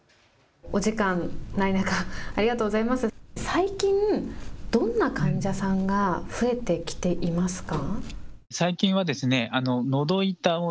最近、どんな患者さんが増えてきていますか。